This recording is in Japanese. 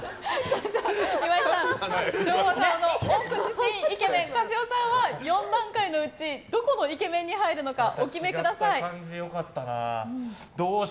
岩井さん、昭和顔の温故知新イケメン樫尾さんは４段階のうちどこのイケメンに入るのかお決めください。